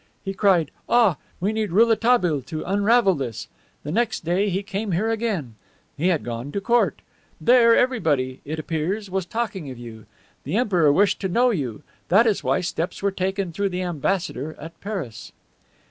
He cried, 'Ah, we need Rouletabille to unravel this!' The next day he came here again. He had gone to the Court. There, everybody, it appears, was talking of you. The Emperor wished to know you. That is why steps were taken through the ambassador at Paris."